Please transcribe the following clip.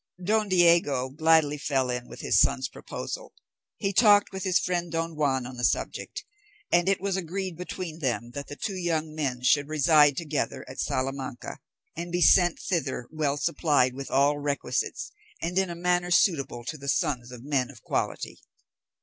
Don Diego gladly fell in with his son's proposal; he talked with his friend Don Juan on the subject, and it was agreed between them that the two young men should reside together at Salamanca, and be sent thither well supplied with all requisites, and in a manner suitable to the sons of men of quality.